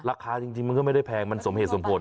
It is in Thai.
ราคาจริงมันก็ไม่ได้แพงมันสมเหตุสมผล